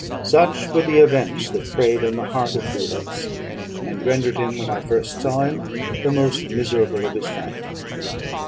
"Such were the events that preyed on the heart of Felix, and rendered him, when I first saw him, the most miserable of his family.